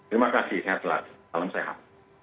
terima kasih sehat lah salam sehat